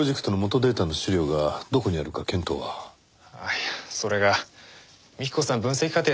いやそれが幹子さん分析過程